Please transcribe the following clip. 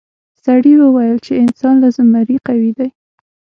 سړي وویل چې انسان له زمري قوي دی.